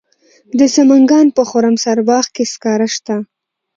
د سمنګان په خرم سارباغ کې سکاره شته.